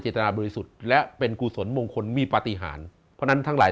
ตนาบริสุทธิ์และเป็นกุศลมงคลมีปฏิหารเพราะฉะนั้นทั้งหลาย